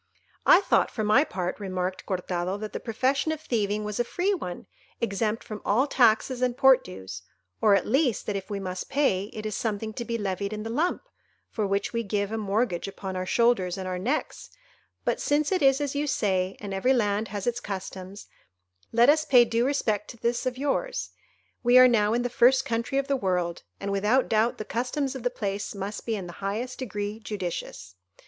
"I thought, for my part," remarked Cortado, "that the profession of thieving was a free one, exempt from all taxes and port dues; or, at least, that if we must pay, it is something to be levied in the lump, for which we give a mortgage upon our shoulders and our necks; but since it is as you say, and every land has its customs, let us pay due respect to this of yours; we are now in the first country of the world, and without doubt the customs of the place must be in the highest degree judicious.